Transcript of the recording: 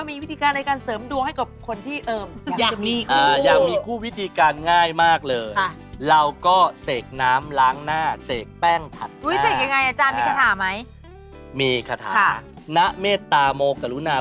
มัวจะพยายามเปิดน้ำน้อย